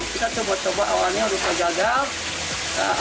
kita coba coba awalnya rupa jagal